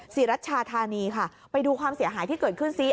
รัชชาธานีค่ะไปดูความเสียหายที่เกิดขึ้นซิ